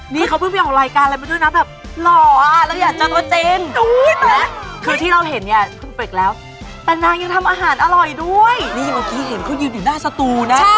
นี่เหมือนกีศนี่เห็นเขายืนอยู่หน้าสตูนะ